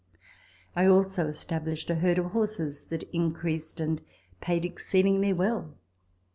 I also established a herd of horses, that increased and paid exceedingly well.